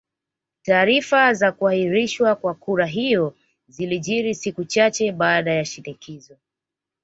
Taarifa za kuahirishwa kwa kura hiyo zilijiri siku chache baada ya shinikizo